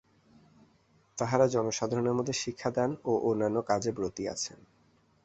তাঁহারা জনসাধারণের মধ্যে শিক্ষাদান ও অন্যান্য কাজে ব্রতী আছেন।